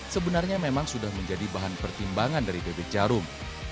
sebenarnya memang sudah menjadi bahan pertimbangan dari bebek jarum